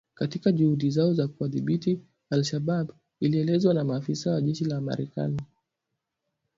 katika juhudi zao za kuwadhibiti al-Shabaab ilielezewa na maafisa wa jeshi la Marekani